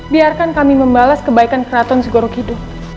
biarkan kami membalas kebaikan keraton segoro kidu